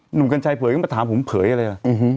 หนุ่มกัญชัยเผยก็เข้ามาถามผมเผยงี่เลยอ่ะ